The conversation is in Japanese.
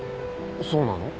そうなの？